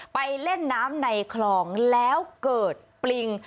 ไปเล่นน้ำในคลองแล้วเกิดปริง